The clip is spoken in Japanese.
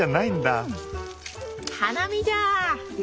花見じゃ！